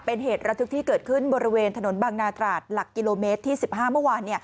เป็นเหตุระทึกที่เกิดขึ้นบริเวณถนนบางนาตราดหลักกิโลเมตรที่๑๕เมื่อวาน